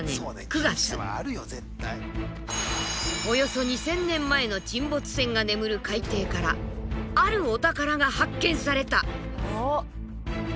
およそ２，０００年前の沈没船が眠る海底からあるお宝が発見された！